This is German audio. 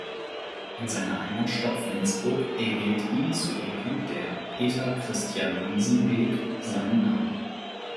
In seiner Heimatstadt Flensburg erhielt ihm zu Ehren der "Peter-Christian-Hansen-Weg" seinen Namen.